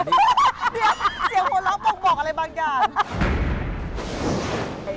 เดี๋ยวเสียงโมงเล่าเปิ้ลบอกอะไรบางอย่าง